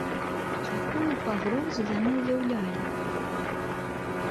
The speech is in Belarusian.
Якую пагрозу яны ўяўлялі?